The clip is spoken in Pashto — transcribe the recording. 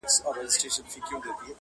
ورځه ورځه تر دکن تېر سې،